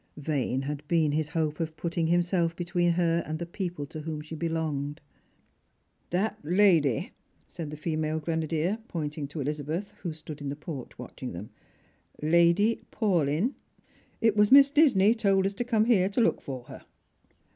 Vain had been his hope of putting himself between her and the people to whom she belonged. "That lady," said the female grenadier, pointing to Elizabeth, who stood iu the porch watching them, " Jjady Paulyn. It was Miss Disney told us to come here to look for her."